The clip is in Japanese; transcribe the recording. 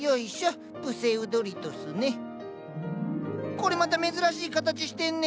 これまた珍しい形してんね。